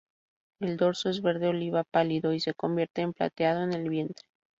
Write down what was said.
El dorso es verde oliva pálido y se convierte en plateado en el vientre.